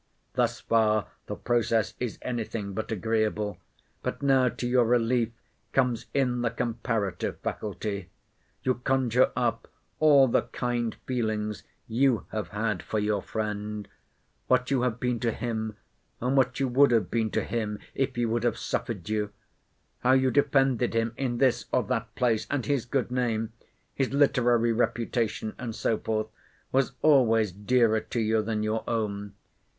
Thus far the process is any thing but agreeable. But now to your relief comes in the comparative faculty. You conjure up all the kind feelings you have had for your friend; what you have been to him, and what you would have been to him, if he would have suffered you; how you defended him in this or that place; and his good name—his literary reputation, and so forth, was always dearer to you than your own!